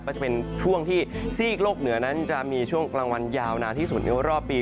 ก็จะเป็นช่วงที่ซีกโลกเหนือนั้นจะมีช่วงกลางวันยาวนานที่สุดในรอบปี